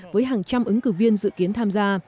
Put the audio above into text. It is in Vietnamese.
với hàng trăm ứng cử viên dự kiến tham gia